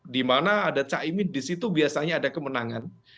di mana ada caimin di situ biasanya ada kemenangan